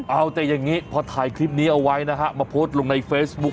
เอาแต่อย่างนี้พอถ่ายคลิปนี้เอาไว้นะฮะมาโพสต์ลงในเฟซบุ๊ค